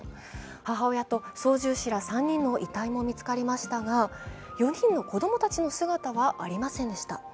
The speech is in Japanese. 母親と操縦士ら３人の遺体も見つかりましたが、４人の子供たちの姿はありませんでした。